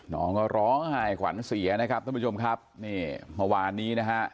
น้องก็ร้องไห้ขวัญเสียนะครับท่านผู้ชมครับนี่เมื่อวานนี้นะฮะ